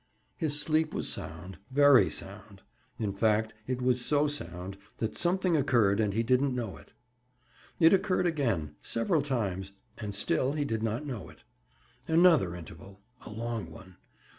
His sleep was sound—very sound! In fact, it was so sound that something occurred and he didn't know it. It occurred again—several times—and still he did not know it. Another interval!—a long one!